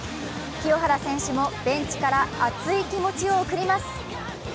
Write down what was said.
清原選手もベンチから熱い気持ちを送ります。